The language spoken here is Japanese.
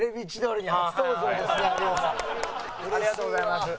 ありがとうございます。